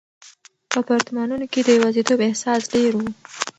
په اپارتمانونو کې د یوازیتوب احساس ډېر و.